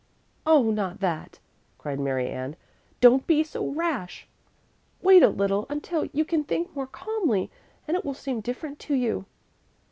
"Oh, not that!" cried Mary Ann. "Don't be so rash! Wait a little, until you can think more calmly; it will seem different to you."